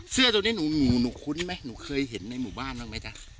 เสื้อตัวนี้หนูคุ้นไหมหนูเคยเห็นในหมู่บ้านบ้างไหมจ๊ะ